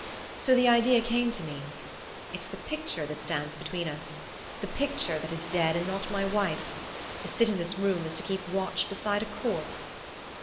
So the idea came to me: 'It's the picture that stands between us; the picture that is dead, and not my wife. To sit in this room is to keep watch beside a corpse.